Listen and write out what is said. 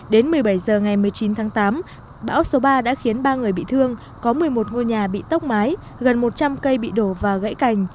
đến một mươi bảy h ngày một mươi chín tháng tám bão số ba đã khiến ba người bị thương có một mươi một ngôi nhà bị tốc mái gần một trăm linh cây bị đổ và gãy cành